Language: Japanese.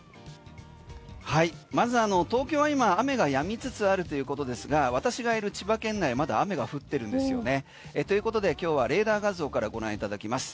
まず東京は今雨がやみつつあるということですが私がいる千葉県内はまだ雨が降ってるんですよね。ということで今日はレーダー画像からご覧いただきます。